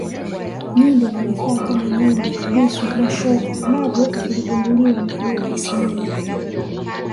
nyundo na vifaa Kama nyembe visu na shoka navyo viligunduliwa maeneo ya ismila